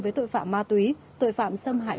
với tội phạm ma túy tội phạm xâm hại